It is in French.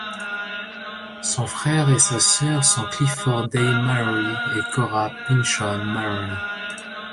Son frère et sa sœur sont Clifford Day Mallory et Cora Pynchon Mallory.